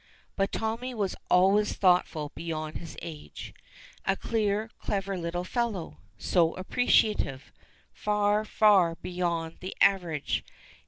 But Tommy was always thoughtful beyond his age. A dear, clever little fellow! So appreciative! Far, far beyond the average!